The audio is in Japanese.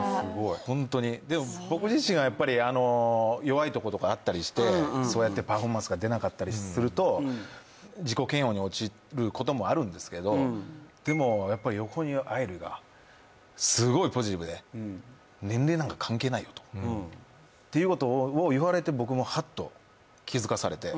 僕自身弱いところとかあったりして、パフォーマンスが出ないことがあると自己嫌悪に陥ることもあるんですけどでもやっぱり横にいる愛梨がすごいポジティブで年齢なんか関係ないよということを言われて僕もハッと気づかされて。